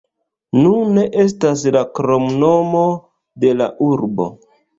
Nune estas la kromnomo de la urbo.